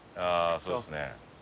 そうですね。